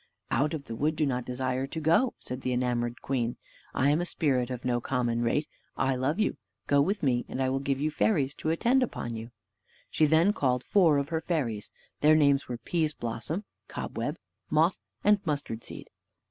"Out of the wood do not desire to go," said the enamored queen. "I am a spirit of no common rate. I love you. Go with me, and I will give you fairies to attend upon you." She then called four of her fairies: their names were, Pease blossom, Cobweb, Moth, and Mustard seed.